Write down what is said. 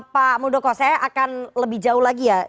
pak muldoko saya akan lebih jauh lagi ya